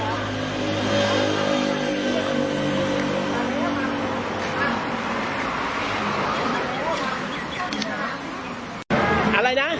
อีกใบหนึ่ง